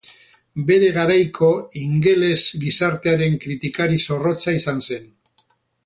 Bere garaiko ingeles gizartearen kritikari zorrotza izan zen.